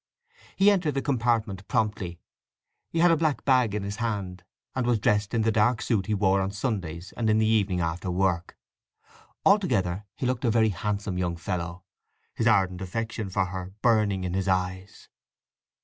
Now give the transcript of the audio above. He entered the compartment promptly. He had a black bag in his hand, and was dressed in the dark suit he wore on Sundays and in the evening after work. Altogether he looked a very handsome young fellow, his ardent affection for her burning in his eyes.